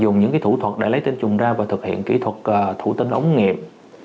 dùng những thủ thuật để lấy tinh trùng ra và thực hiện kỹ thuật thủ tinh ống nghiệp